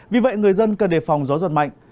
vì vậy người dân cần đề phòng gió giật mạnh